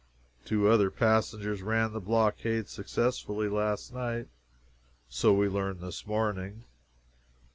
Two other passengers ran the blockade successfully last night. So we learned this morning.